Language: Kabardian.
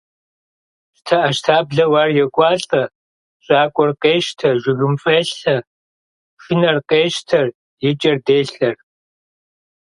ЩтэӀэщтаблэу ар йокӀуалӀэ, щӀакӀуэр къещтэ, жыгым фӀелъэ, пшынэр къещтэр, и кӀэр делъэр.